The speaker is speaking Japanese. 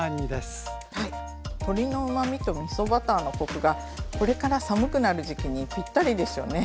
鶏のうまみとみそバターのコクがこれから寒くなる時期にぴったりですよね。